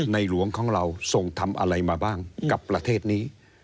หลวงของเราส่งทำอะไรมาบ้างกับประเทศนี้